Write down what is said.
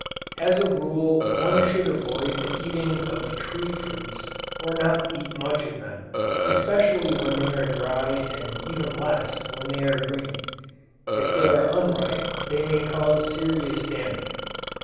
As a rule one should avoid the eating of tree fruits, or not eat much of them, especially when they are dry and even less when they are green. If they are unripe they may cause serious damage.